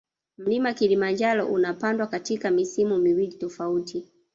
Mlima kilimanjaro unapandwa katika misimu miwili tofauti